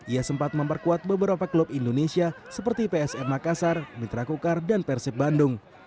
ia sempat memperkuat beberapa klub indonesia seperti psm makassar mitra kukar dan persib bandung